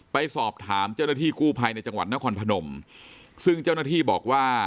ไปสอบถามเจ้าหน้าที่กู้ภัยในจังหวัดนครพนมซึ่งเจ้าหน้าที่บอกว่า